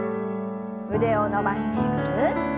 腕を伸ばしてぐるっと。